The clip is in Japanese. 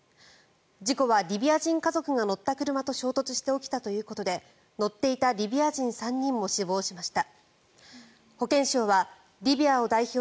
事故はリビア人家族が乗った車と衝突して起きたということで乗っていたリビア人３人も死亡しました。